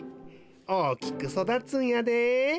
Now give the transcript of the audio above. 大きくそだつんやで。